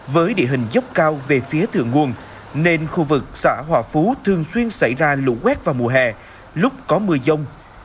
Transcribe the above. với địa hình dốc cao về phía thượng nguồn nên khu vực xã hòa phú thường xuyên xảy ra lũ quét vào mùa hè lúc có mưa dông